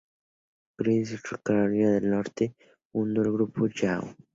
Chris Hardwick de Raleigh, Carolina del Norte fundó el Grupo de Yahoo!